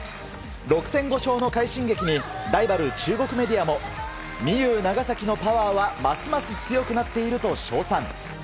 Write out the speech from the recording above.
６戦５勝の快進撃にライバル中国メディアもミユウ・ナガサキのパワーはますます強くなっていると称賛。